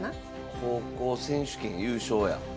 高校選手権優勝や。